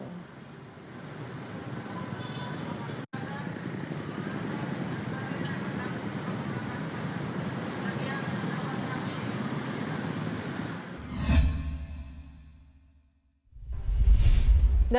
kami akan menemukan jalan protokol yang berjalan dengan lancar